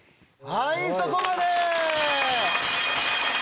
はいそこまで！